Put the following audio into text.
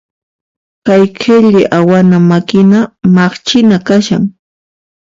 Kay qhilli awana makina maqchina kashan.